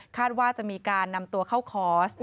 ว่าจะมีการนำตัวเข้าคอร์ส